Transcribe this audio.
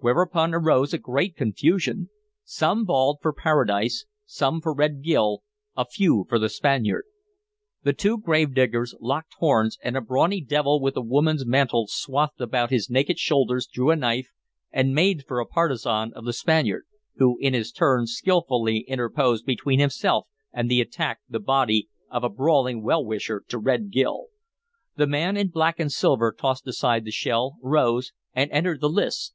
Whereupon arose a great confusion. Some bawled for Paradise, some for Red Gil, a few for the Spaniard. The two gravediggers locked horns, and a brawny devil with a woman's mantle swathed about his naked shoulders drew a knife, and made for a partisan of the Spaniard, who in his turn skillfully interposed between himself and the attack the body of a bawling well wisher to Red Gil. The man in black and silver tossed aside the shell, rose, and entered the lists.